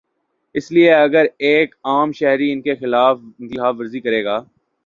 اس لیے اگر ایک عام شہری ان کی خلاف ورزی کرے گا۔